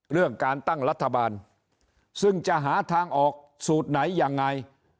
เรื่องการตั้งรัฐบาลซึ่งจะหาทางออกสูตรไหนยังไง